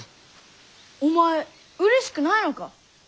お前うれしくないのか？